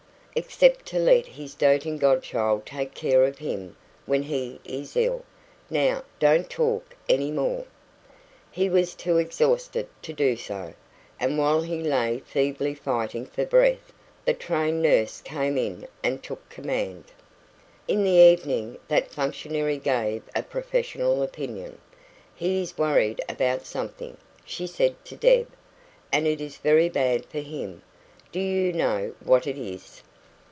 "Except to let his doting godchild take care of him when he is ill. Now don't talk any more." He was too exhausted to do so. And while he lay feebly fighting for breath, the trained nurse came in and took command. In the evening that functionary gave a professional opinion. "He is worried about something," she said to Deb, "and it is very bad for him. Do you know what it is?"